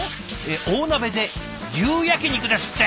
大鍋で牛焼き肉ですって！